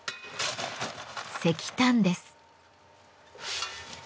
石炭です。